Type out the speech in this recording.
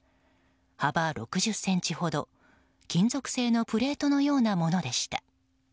幅６０ｃｍほど、金属製のプレートのようなものでした。